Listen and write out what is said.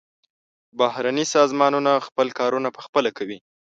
بهرني سازمانونه خپل کارونه پخپله کوي.